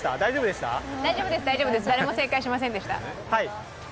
大丈夫です、誰も正解しませんでした。